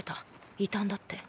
異端だって。